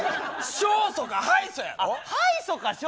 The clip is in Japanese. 勝訴か敗訴やろ？